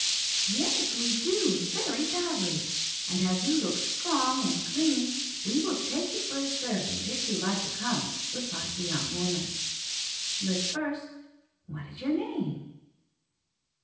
'Yes, we do, very badly; and as you look strong and clean, we will take you for a servant if you like to come,' replied the young woman. 'But, first, what is your name?'